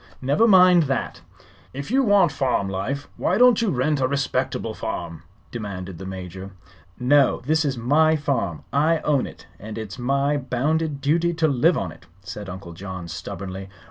"Never mind that." "If you want farm life, why don't you rent a respectable farm?" demanded the Major. "No; this is my farm. I own it, and it's my bounded duty to live on it," said Uncle John, stubbornly.